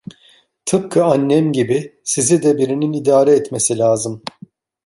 Tıpkı annem gibi sizi de birinin idare etmesi lazım.